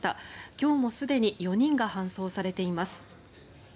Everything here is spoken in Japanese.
今日もすでに４人が搬送されています。